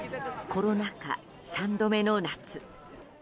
コロナ禍、３度目の夏。